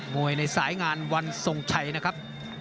วยในสายงานวันทรงชัยนะครับ